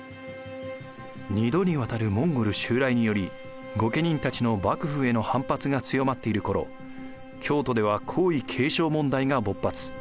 ２度にわたるモンゴル襲来により御家人たちの幕府への反発が強まっている頃京都では皇位継承問題が勃発。